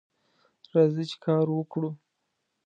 راځئ چې کار وکړو